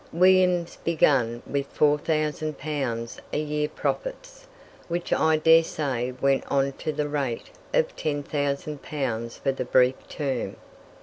Williams began with 4,000 pounds a year profits, which I dare say went on to the rate of 10,000 pounds for the brief term.